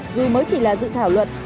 dù mới chỉ là dự thảo luật